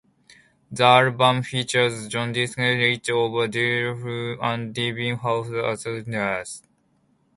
The album features John Dieterich of Deerhoof and Devin Hoff as contributors.